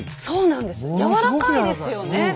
そうなんです柔らかいですよね！